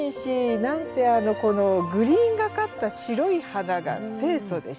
何せこのグリーンがかった白い花が清楚でしょ？